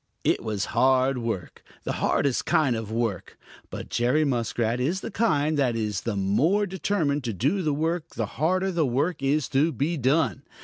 It was hard work, the hardest kind of hard work. But Jerry Muskrat is the kind that is the more determined to do the work the harder the work is to be done.